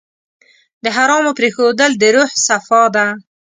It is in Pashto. د حرامو پرېښودل د روح صفا ده.